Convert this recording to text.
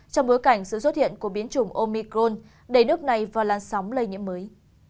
trong bối cảnh sự xuất hiện của biến chủng omicron đẩy nước này vào làn sóng lây nhiễm mới